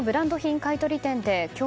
買い取り店で今日